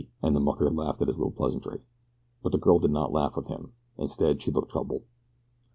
and the mucker laughed at his little pleasantry. But the girl did not laugh with him. Instead she looked troubled.